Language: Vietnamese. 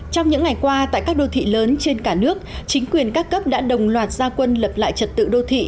trong những ngày qua tại các đô thị lớn trên cả nước chính quyền các cấp đã đồng loạt gia quân lập lại trật tự đô thị